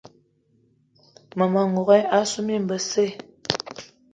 Mmema n'gogué assu mine besse.